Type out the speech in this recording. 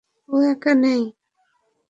ও একা নেই।